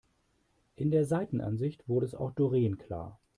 In der Seitenansicht wurde es auch Doreen klar.